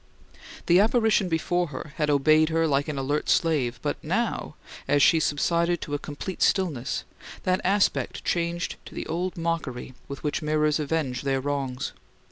The apparition before her had obeyed her like an alert slave, but now, as she subsided to a complete stillness, that aspect changed to the old mockery with which mirrors avenge their wrongs.